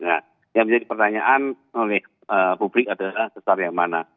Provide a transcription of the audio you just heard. nah yang menjadi pertanyaan oleh publik adalah sesar yang mana